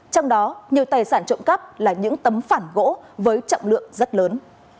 trong đó nhiều tài sản trộm cắp là những tấm phản gỗ với trọng lượng rất lớn